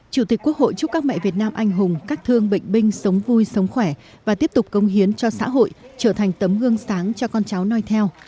chủ tịch quốc hội chúc các mẹ việt nam anh hùng các thương bệnh binh sống vui sống khỏe và tiếp tục công hiến cho xã hội trở thành tấm gương sáng cho con cháu noi theo